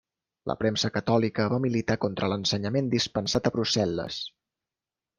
La premsa catòlica va militar contra l'ensenyament dispensat a Brussel·les.